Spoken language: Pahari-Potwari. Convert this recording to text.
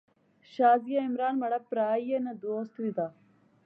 شازیہ عمران مہاڑا پرہا ایہہ نی دوست وی دا